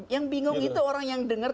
yang bingung itu orang yang dengar